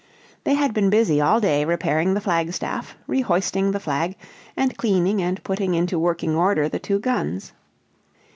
They had been busy all day repairing the flagstaff, rehoisting the flag, and cleaning and putting into working order the two guns.